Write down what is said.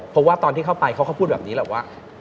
เพราะว่าตอนที่เข้าไปเขาก็พูดแบบนี้แหละว่า